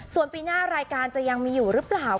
ส่วนปีหน้ารายการจะยังมีอยู่หรือเปล่า